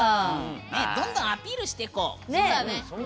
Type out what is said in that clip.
どんどんアピールしていこう！